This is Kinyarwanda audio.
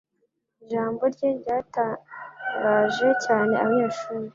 Ijambo rye ryatangaje cyane abanyeshuri.